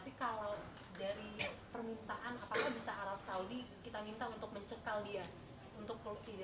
tapi kalau dari permintaan apakah bisa arab saudi kita minta untuk mencekal dia